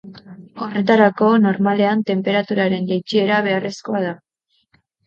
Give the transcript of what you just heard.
Horretarako, normalean tenperaturaren jaitsiera beharrezkoa da.